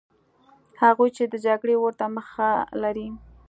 هغوی چې د جګړې اور ته مخه لري.